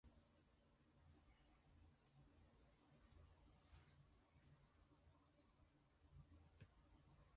もとより西田哲学の解説を直接の目的とするのでないこの書において、